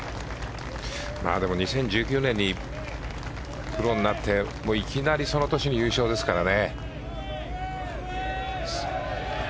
でも、２０１９年にプロになっていきなりその年に優勝ですからね。